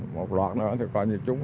một loạt nữa thì coi như trúng